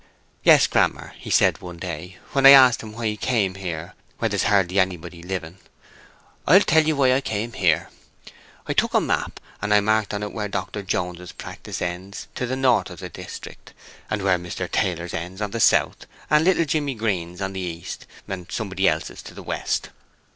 "Yes. 'Grammer,' he said one day, when I asked him why he came here where there's hardly anybody living, 'I'll tell you why I came here. I took a map, and I marked on it where Dr. Jones's practice ends to the north of this district, and where Mr. Taylor's ends on the south, and little Jimmy Green's on the east, and somebody else's to the west.